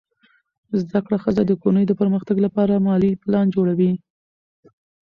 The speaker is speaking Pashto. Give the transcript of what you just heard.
زده کړه ښځه د کورنۍ د پرمختګ لپاره مالي پلان جوړوي.